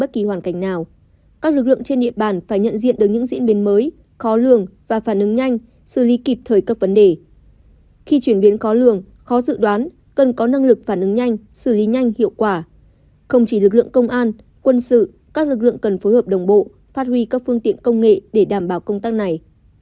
không chỉ lực lượng công an quân sự các lực lượng cần phối hợp đồng bộ phát huy các phương tiện công nghệ để đảm bảo công tác này